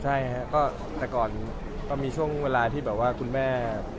อเจมส์ใช่แต่ก่อนก็มีช่วงเวลาที่แบบว่าคุณแม่